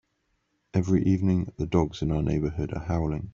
Every evening, the dogs in our neighbourhood are howling.